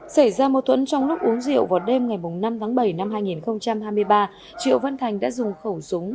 xảy ra mâu thuẫn trong lúc uống rượu vào đêm ngày năm tháng bảy năm hai nghìn hai mươi ba triệu văn thành đã dùng khẩu súng